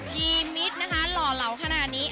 ทีมมิตรนะคะหล่อเหลาขนาดนี้